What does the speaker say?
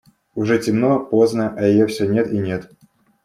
Уже темно, поздно, а ее все нет и нет.